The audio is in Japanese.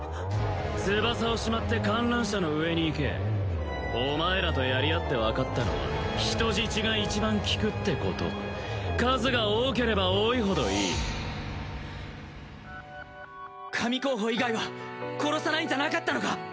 翼をしまって観覧車の上に行けお前らとやりあって分かったのは人質が一番効くってこと数が多ければ多いほどいい神候補以外は殺さないんじゃなかったのか？